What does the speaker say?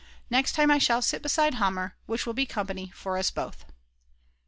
Next time I shall sit beside Hammer which will be company for us both.